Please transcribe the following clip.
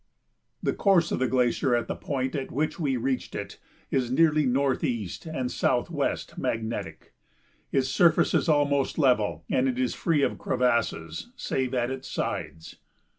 ] The course of the glacier at the point at which we reached it is nearly northeast and southwest (magnetic); its surface is almost level and it is free of crevasses save at its sides.